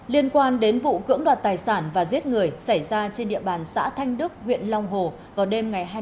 liên quan đến vụ cưỡng đoạt tài sản và giết người xảy ra trên địa bàn xã thanh đức huyện long hồ vào đêm ngày hai mươi